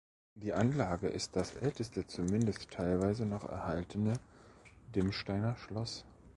Die Anlage ist das älteste zumindest teilweise noch erhaltene Dirmsteiner Schloss.